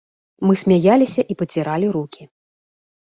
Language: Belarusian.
Мы смяяліся і паціралі рукі.